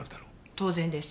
当然です。